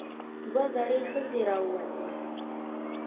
دوه زړې ښځې راووتې.